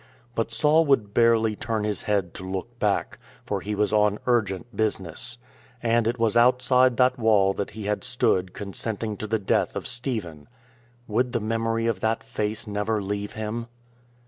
But Saul would barely turn his head to look back, for he was on urgent business. And it was outside that wall that he had stood consenting to the death of Stephen. Would the memory of that face never leave him